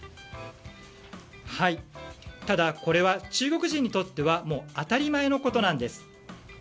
ただ、これは中国人にとっては当たり前のことなんです。